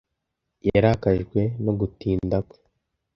Yarakajwe no gutinda kwe.